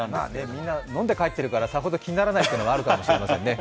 みんな飲んで帰ってるからさほど気にならないっていうのがあるかもしれないですね。